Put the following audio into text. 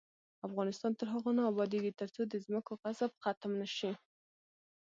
افغانستان تر هغو نه ابادیږي، ترڅو د ځمکو غصب ختم نشي.